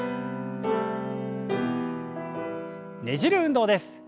ねじる運動です。